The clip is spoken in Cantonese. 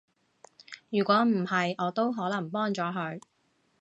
如果唔係，我都可能幫咗佢